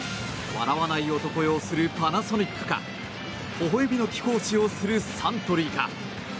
笑わない男擁するパナソニックかほほ笑みの貴公子擁するサントリーか。